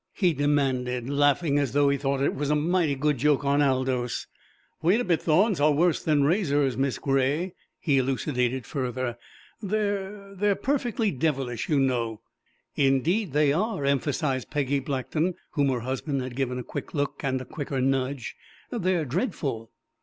_" he demanded, laughing as though he thought it a mighty good joke on Aldous. "Wait a bit thorns are worse than razors, Miss Gray," he elucidated further. "They're they're perfectly devilish, you know!" "Indeed they are," emphasized Peggy Blackton, whom her husband had given a quick look and a quicker nudge, "They're dreadful!"